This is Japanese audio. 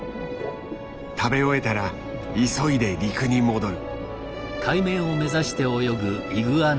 食べ終えたら急いで陸に戻る。